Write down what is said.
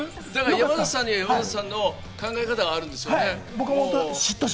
山里さんには山里さんの考え方があるからね。